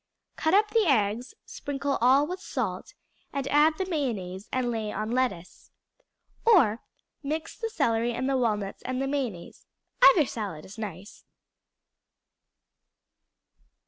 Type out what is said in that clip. Cut up the eggs, sprinkle all with salt, and add the mayonnaise and lay on lettuce. Or mix the celery and the walnuts and mayonnaise; either salad is nice.